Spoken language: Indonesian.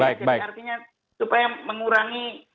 jadi artinya supaya mengurangi